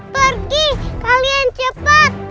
pergi kalian cepat